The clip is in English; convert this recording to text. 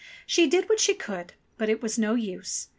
She did what she could, but it was no use.